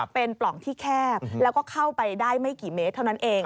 เป็นปล่องที่แคบแล้วก็เข้าไปได้ไม่กี่เมตรเท่านั้นเอง